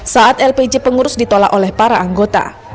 saat lpj pengurus ditolak oleh para anggota